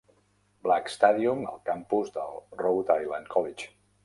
Black Stadium al campus del Rhode Island College.